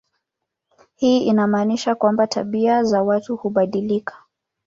Hii inamaanisha kwamba tabia za watu hubadilika.